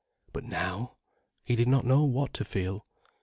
But now? He did not know what to feel.